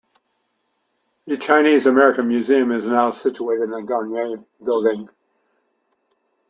The Chinese American Museum is now situated in Garnier Building.